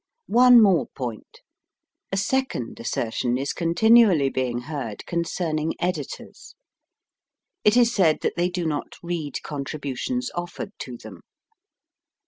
One more point. A second assertion is continually being heard concerning editors. It is said that they do not read contributions offered to them.